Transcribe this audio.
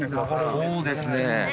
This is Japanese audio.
そうですね